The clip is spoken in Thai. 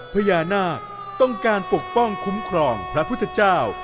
พญานาคต้องการปกป้องคุ้มครองพระพุทธเจ้า